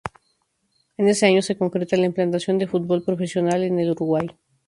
En ese año se concreta la implantación del fútbol profesional en el Uruguay.